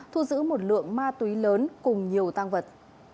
thu giữ một lượng ma túy lớn cùng nhiều tăng vật